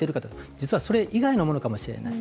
実は、それ以外かもしれない。